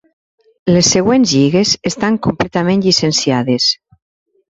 Les següents lligues estan completament llicenciades.